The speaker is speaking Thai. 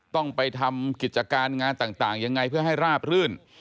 ต้องไปทำกิจการงานต่างยังไงเพื่อให้ราบรื่น